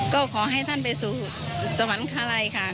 ก็ขอให้ท่านไปสู่สวรรคาลัยค่ะ